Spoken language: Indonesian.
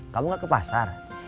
kamu nggak ke pasar